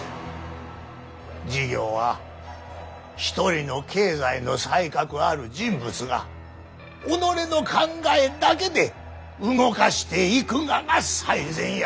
事業は一人の経済の才覚ある人物が己の考えだけで動かしていくがが最善や。